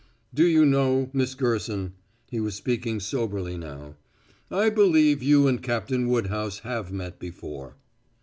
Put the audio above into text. "Do you know, Miss Gerson" he was speaking soberly now "I believe you and Captain Woodhouse have met before."